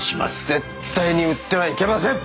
絶対に売ってはいけません！